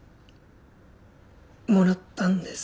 もらったんです。